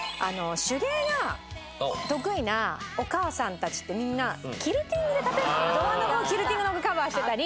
手芸が得意なお母さんたちってみんなキルティングで例えばドアノブをキルティングのカバーしてたり。